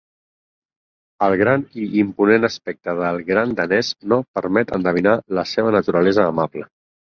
El gran i imponent aspecte del gran danès no permet endevinar la seva naturalesa amable.